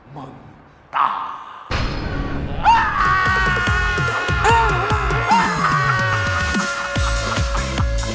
มึงตาย